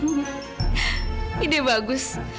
aku bisa bikin sedikit kekacauan disini